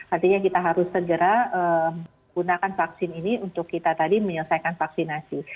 artinya kita harus segera gunakan vaksin ini untuk kita tadi menyelesaikan vaksinasi